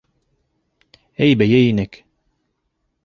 Эй бейей инек!